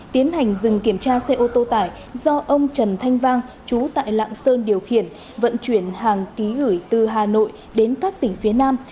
tiến hành dừng kiểm tra xe ô tô tải do ông trần thanh vang chú tại lạng sơn điều khiển vận chuyển hàng ký gửi từ hà nội đến các tỉnh phía nam